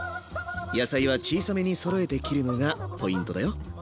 野菜は小さめにそろえて切るのがポイントだよ。